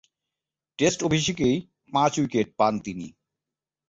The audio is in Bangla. টেস্ট অভিষেকেই পাঁচ-উইকেট পান তিনি।